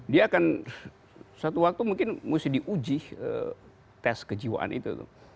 dia akan suatu waktu mungkin mesti diuji tes kejiwaan itu